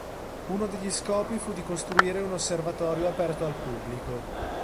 Uno degli scopi fu di costruire un osservatorio aperto al pubblico.